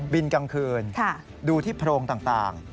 กลางคืนดูที่โพรงต่าง